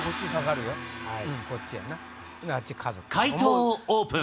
解答をオープン。